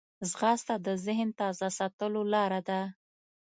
ځغاسته د ذهن تازه ساتلو لاره ده